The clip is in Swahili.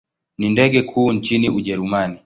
Ni ndege kuu nchini Ujerumani.